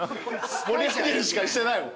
盛り上げる司会してないもん。